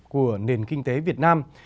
của nền kinh tế việt nam